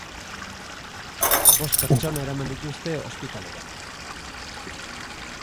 Bost pertsona eraman dituzte ospitalera.